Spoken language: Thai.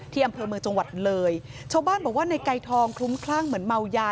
อำเภอเมืองจังหวัดเลยชาวบ้านบอกว่าในไก่ทองคลุ้มคลั่งเหมือนเมายา